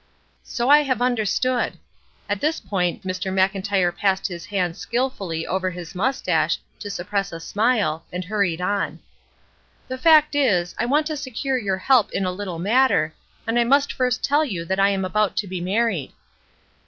"So I have understood." At this point Mr. Mclntyre passed his hand skilfully over his mustache to suppress a smile, and hurried on. "The fact is, I want to secure your help in a little matter, and I must first tell you that I am about to be married."